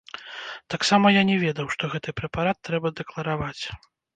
Таксама я не ведаў, што гэты прэпарат трэба дэклараваць.